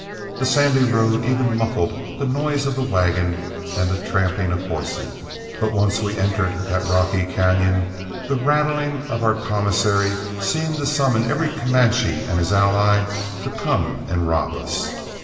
The sandy road even muffled the noise of the wagon and the tramping of horses; but once we entered that rocky cañon, the rattling of our commissary seemed to summon every Comanche and his ally to come and rob us.